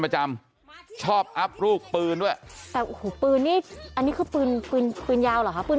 ประจำชอบอับลูกปืนแล้วอันนี้คือปืนปืนยาวเหรอหรอปืน